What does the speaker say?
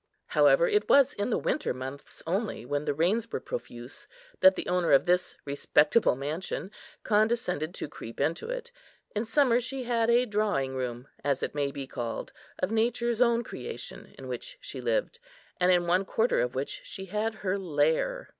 However, it was in the winter months only, when the rains were profuse, that the owner of this respectable mansion condescended to creep into it. In summer she had a drawing room, as it may be called, of nature's own creation, in which she lived, and in one quarter of which she had her lair.